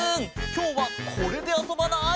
きょうはこれであそばない？